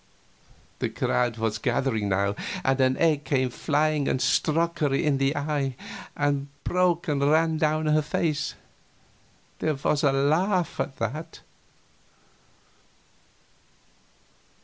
The crowd was gathering now, and an egg came flying and struck her in the eye, and broke and ran down her face. There was a laugh at that.